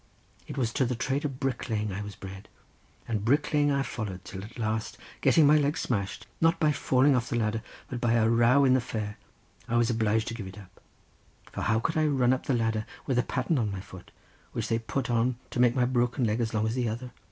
It was to the trade of bricklaying I was bred, and bricklaying I followed till at last, getting my leg smashed, not by falling off the ladder, but by a row in the fair, I was obliged to give it up, for how could I run up the ladder with a patten on my foot, which they put on to make my broken leg as long as the other.